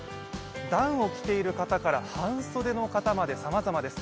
ダウンを着ている方から半袖の方までさまざまです。